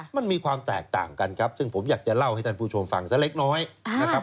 มันมีความแตกต่างกันครับซึ่งผมอยากจะเล่าให้ท่านผู้ชมฟังสักเล็กน้อยนะครับ